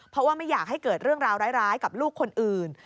เพราะว่าไม่อยากให้เกิดเรื่องราวร้ายกับลูกคนอื่น